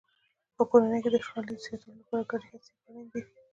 په کورنۍ کې د خوشحالۍ د زیاتولو لپاره ګډې هڅې اړینې دي.